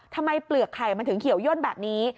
เปลือกไข่มันถึงเขียวย่นแบบนี้